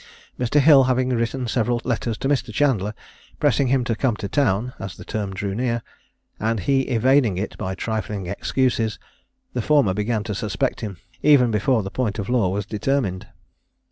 Mr. Hill having written several letters to Mr. Chandler, pressing him to come to town (as the Term drew near), and he evading it by trifling excuses, the former began to suspect him, even before the point of law was determined.